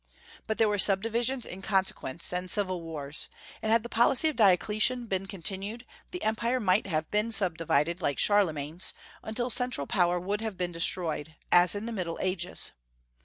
But there were subdivisions in consequence, and civil wars; and had the policy of Diocletian been continued, the Empire might have been subdivided, like Charlemagne's, until central power would have been destroyed, as in the Middle Ages.